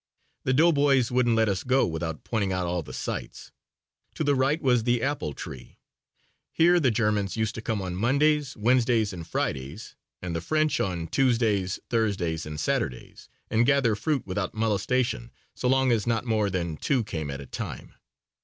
The doughboys wouldn't let us go without pointing out all the sights. To the right was the apple tree. Here the Germans used to come on Mondays, Wednesdays and Fridays and the French on Tuesdays, Thursdays and Saturdays, and gather fruit without molestation so long as not more than two came at a time.